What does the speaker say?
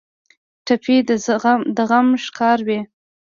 ټپي د غم ښکار وي.